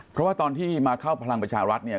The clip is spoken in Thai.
เพราะว่าตอนที่มาเข้าพลังประชารัฐเนี่ย